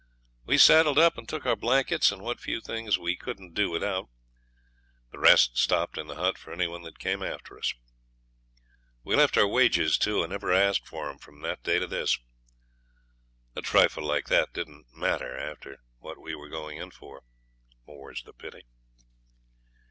We saddled up and took our blankets and what few things we couldn't do without. The rest stopped in the hut for any one that came after us. We left our wages, too, and never asked for 'em from that day to this. A trifle like that didn't matter after what we were going in for. More's the pity.